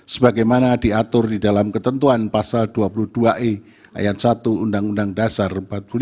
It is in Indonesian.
sebagaimana diatur di dalam ketentuan pasal dua puluh dua e ayat satu undang undang dasar empat puluh lima